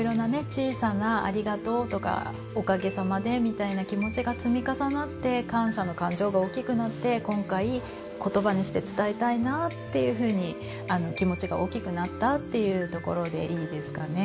小さなありがとうとかおかげさまでみたいな気持ちが積み重なって感謝の感情が大きくなって今回言葉にして伝えたいなっていうふうに気持ちが大きくなったっていうところでいいですかね？